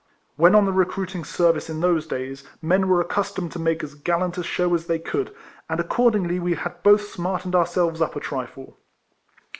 When on the recruiting service in those days, men were accustomed to make as gallant a show as they could, and accordingly we had both smartened ourselves up a trifle.